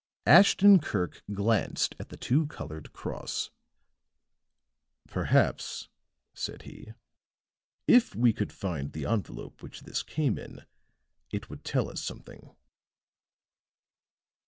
Ashton Kirk glanced at the two colored cross. "Perhaps," said he, "if we could find the envelope which this came in, it would tell us something."